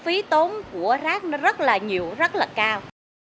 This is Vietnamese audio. phí tốn của rác nó rất là nhiều rất là cao